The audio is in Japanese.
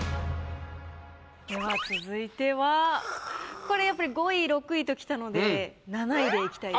では続いてはこれやっぱり５位６位ときたので７位でいきたいと。